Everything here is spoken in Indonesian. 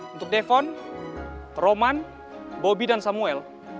untuk defon roman bobi dan samuel